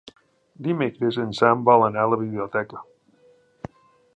Dimecres en Sam vol anar a la biblioteca.